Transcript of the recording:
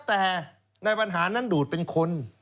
แต่ในปัญหานั้นดูดเป็นคน